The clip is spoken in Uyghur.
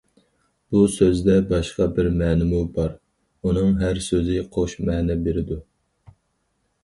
بۇ سۆزدە باشقا بىر مەنىمۇ بار...- ئۇنىڭ ھەر سۆزى قوش مەنە بېرىدۇ.